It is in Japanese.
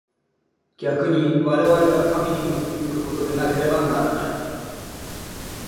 逆に我々が神に結び附くことでなければならない。